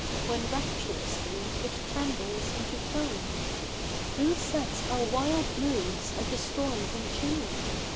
When 7 aptni'onsly it tre?}ibles into tone ? Who sets our wild moods and the storms in tune